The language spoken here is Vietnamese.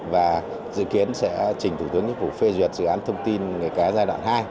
và dự kiến sẽ trình thủ tướng chính phủ phê duyệt dự án thông tin nghề cá giai đoạn hai